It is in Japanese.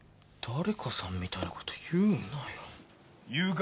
誰かさんみたいなこと言うなよ。